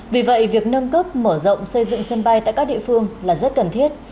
vì vậy việc nâng cấp mở rộng xây dựng sân bay tại các địa phương là rất cần thiết